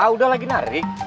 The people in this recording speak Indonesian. udah lagi narik